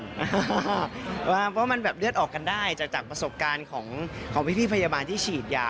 เพราะมันแบบเลือดออกกันได้จากประสบการณ์ของพี่พยาบาลที่ฉีดยา